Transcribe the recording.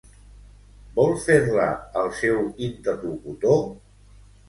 Vol fer-la, el seu interlocutor?